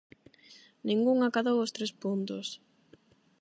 Ningún acadou os tres puntos.